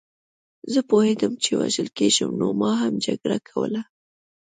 زه پوهېدم چې وژل کېږم نو ما هم جګړه کوله